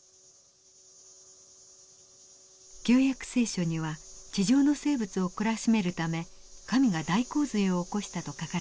「旧約聖書」には地上の生物を懲らしめるため神が大洪水を起こしたと書かれています。